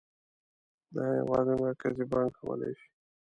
دا یوازې مرکزي بانک کولای شي.